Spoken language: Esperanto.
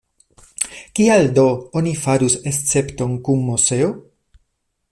Kial do oni farus escepton kun Moseo?